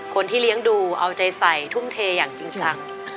คนที่เลี้ยงดูเอาใจใส่ทุ่มเทอย่างจริงจัง